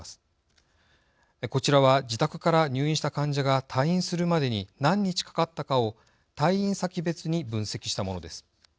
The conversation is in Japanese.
こちらは自宅から入院した患者が退院するまでに何日かかったかを退院先別に分析したものです。